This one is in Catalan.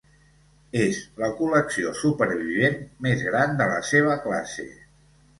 És la col·lecció supervivent més gran de la seva classe.